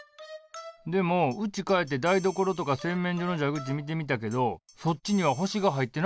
でもうち帰って台所とか洗面所の蛇口見てみたけどそっちには星が入ってなかってん。